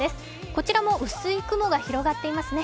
こちらも薄い雲が広がっていますね。